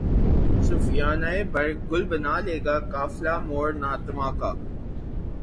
سفینۂ برگ گل بنا لے گا قافلہ مور ناتواں کا